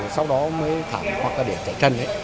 sau đó mới thả hoặc để chạy chân